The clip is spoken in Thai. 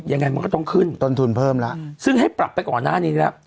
ยังไงมันก็ต้องขึ้นต้นทุนเพิ่มแล้วซึ่งให้ปรับไปก่อนหน้านี้แล้ว